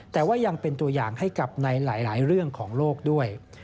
แต่ว่ายังเป็นตัวอย่างให้กับในหลายเรื่องของโลกด้วย